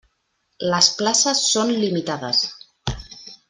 Les places són limitades.